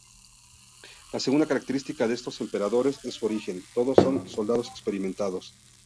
La segunda característica de estos emperadores es su origen: todos son soldados experimentados.